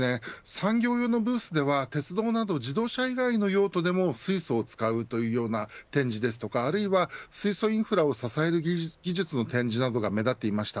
産業用のブースでは鉄道など自動車以外の用途でも水素を使うというような展示ですとかあるいは水素インフラを支える技術の展示などが目立っていました。